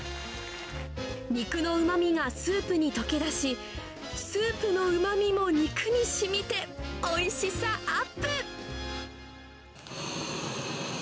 肉のうまみがスープに溶け出し、スープのうまみも肉にしみて、おいしさアップ。